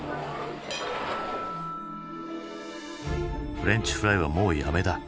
「フレンチフライはもうやめだ。